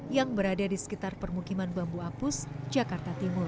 yang berada di sekitar permukiman bambu apus jakarta timur